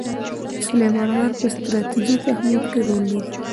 سلیمان غر په ستراتیژیک اهمیت کې رول لري.